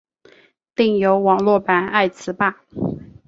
另有网络版爱词霸。